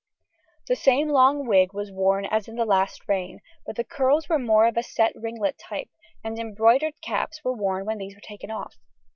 The same long wig was worn as in the last reign, but the curls were more of a set ringlet type, and embroidered caps were worn when these were taken off.